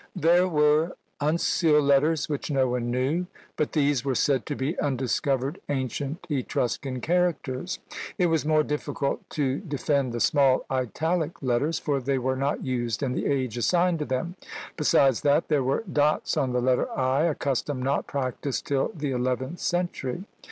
There were uncial letters which no one knew; but these were said to be undiscovered ancient Etruscan characters; it was more difficult to defend the small italic letters, for they were not used in the age assigned to them; besides that, there were dots on the letter i, a custom not practised till the eleventh century.